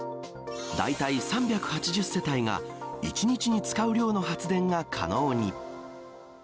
大体３８０世帯が１日に使う量の発電が可能に。